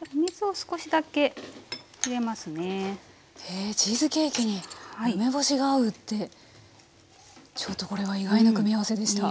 へえチーズケーキに梅干しが合うってちょっとこれは意外な組み合わせでした。